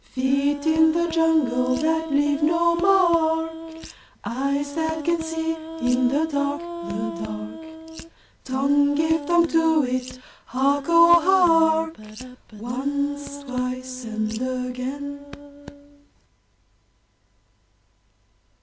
Feet in the jungle that leave no mark! Eyes that can see in the dark the dark! Tongue give tongue to it! Hark! O hark! Once, twice and again!